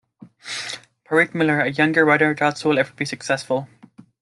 Pierre Millet, a younger writer, doubts he will ever be successful.